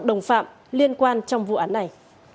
đồng phạm liên quan trong vụ án này